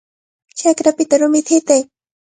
¡Chakrapita rumita hitay!